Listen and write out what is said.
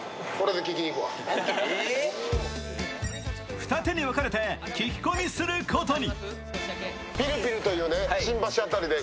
二手に分かれて聞き込みすることに。